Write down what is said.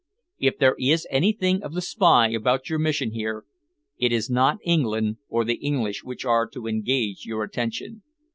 If there is anything of the spy about your mission here, it is not England or the English which are to engage your attention.